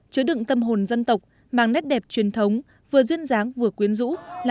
chứa đựng tâm hồn dân tộc mang nét đẹp truyền thống vừa duyên dáng vừa quyến rũ